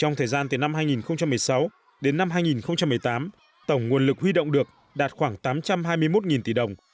năm hai nghìn một mươi sáu đến năm hai nghìn một mươi tám tổng nguồn lực huy động được đạt khoảng tám trăm hai mươi một tỷ đồng